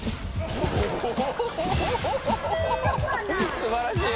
すばらしい！